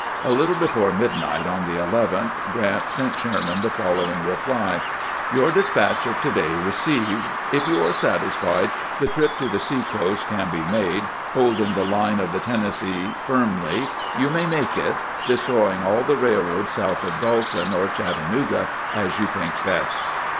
A little before midnight on the 11th, Grant sent Sherman the following reply :" Your despatch of to day received. If you are satisfied the trip to the sea coast can be made, holding 318 CAMPAIGNING WITH GBANT the line of the Tennessee firmly, you may make it, de stroying all the railroads south of Dalton or Chatta nooga, as you think best."